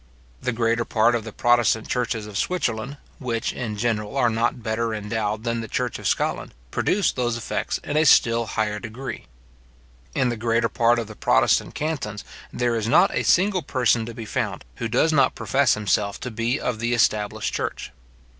The greater part of the protestant churches of Switzerland, which, in general, are not better endowed than the church of Scotland, produce those effects in a still higher degree. In the greater part of the protestant cantons, there is not a single person to be found, who does not profess himself to be of the established church.